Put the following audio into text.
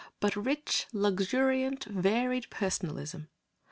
but rich, luxuriant, varied Personalism?